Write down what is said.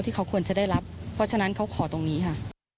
ที่เขาควรจะได้รับเพราะฉะนั้นเขาขอตรงนี้ค่ะ